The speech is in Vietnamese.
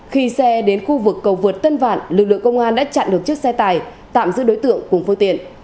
khi xe đến khu vực cầu vượt tân vạn lực lượng công an đã chặn được chiếc xe tải tạm giữ đối tượng cùng phương tiện